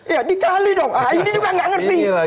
ya dikali dong ini juga gak ngerti